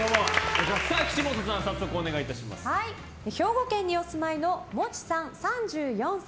兵庫県にお住いのもちさん、３４歳。